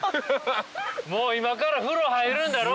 もう今から風呂入るんだろ。